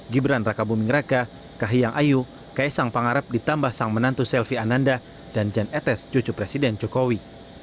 gibran raka buming raka kahiyang ayu kaisang pangarep ditambah sang menantu selvi ananda dan jan etes cucu presiden jokowi